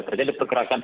tidak terjadi pergerakan